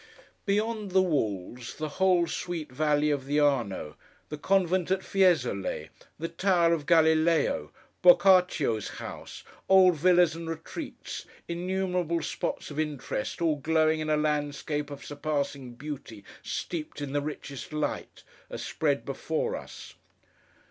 Beyond the walls, the whole sweet Valley of the Arno, the convent at Fiesole, the Tower of Galileo, BOCCACCIO'S house, old villas and retreats; innumerable spots of interest, all glowing in a landscape of surpassing beauty steeped in the richest light; are spread before us.